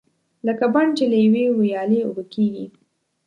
لکه بڼ چې له یوې ویالې اوبه کېږي.